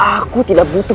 aku sudah mampu